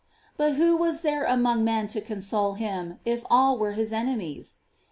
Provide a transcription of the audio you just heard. "* But who was there among men to console him, if all were his enemies?